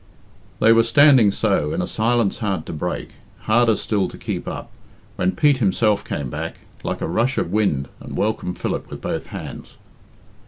They were standing so, in a silence hard to break, harder still to keep up, when Pete himself came back, like a rush of wind, and welcomed Philip with both hands.